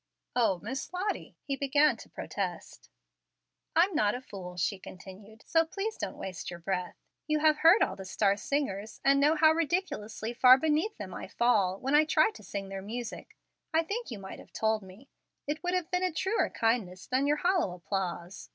"O Miss Lottie " he began to protest. "I'm not a fool," she continued, "so please don't waste your breath. You have heard all the star singers, and know how ridiculously far beneath them I fall, when I try to sing their music. I think you might have told me. It would have been truer kindness than your hollow applause.